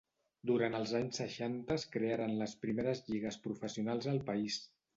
Durant els anys seixanta es crearen les primeres lligues professionals al país.